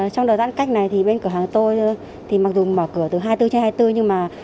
từ giờ giãn cách này bên cửa hàng tôi mặc dù mở cửa từ hai mươi bốn trên hai mươi bốn